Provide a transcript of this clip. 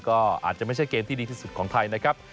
ก็อาจจะไม่ใช่เกมที่ดีที่สุดของไทยนะครับ